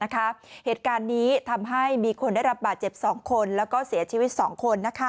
เหตุการณ์นี้ทำให้มีคนได้รับบาดเจ็บ๒คนแล้วก็เสียชีวิต๒คน